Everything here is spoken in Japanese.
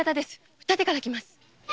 二手から来ます。